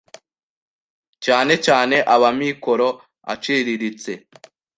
cyane cyane ab'amikoro aciriritse,